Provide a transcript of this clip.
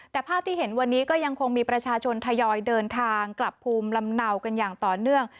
แต่ภาพที่เห็นวันนี้ก็ยังคงมีประชาชนทยอยเดินทางกลับภูมิลำเนากันอย่างต่อเนื่อง